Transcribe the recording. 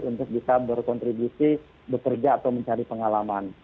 untuk bisa berkontribusi bekerja atau mencari pengalaman